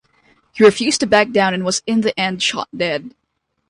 He refused to back down and was in the end shot dead.